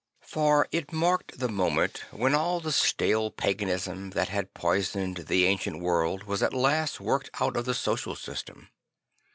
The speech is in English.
For it marked the moment when all the stale paganism that had poisoned the ancient world was at last worked out of the social system.